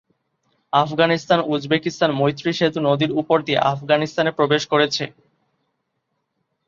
আফগানিস্তান-উজবেকিস্তান মৈত্রী সেতু নদীর উপর দিয়ে আফগানিস্তানে প্রবেশ করেছে।